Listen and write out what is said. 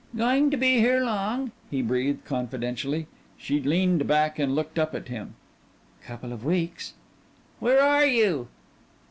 "Going to be here long?" he breathed confidentially. She leaned back and looked up at him. "Couple of weeks." "Where are you?"